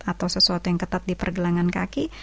atau sesuatu yang ketat di pergelangan kaki